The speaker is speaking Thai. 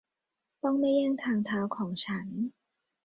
ต้องไม่แย่งทางเท้าของฉัน